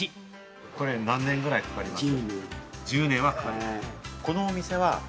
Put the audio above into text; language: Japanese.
これ、何年ぐらいかかります？